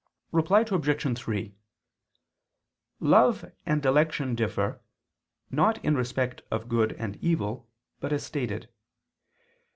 Reply Obj. 3: Love and dilection differ, not in respect of good and evil, but as stated.